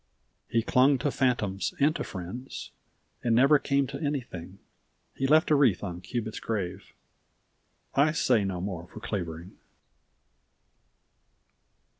He clung to phantoms and to friends, And never came to an3^ng. He left a wreath on Cubit's grave. I say no more for Clavering.